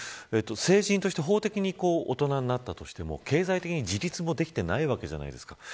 成人として法的に大人になったとしても経済的に自立もできてないわけじゃないですか。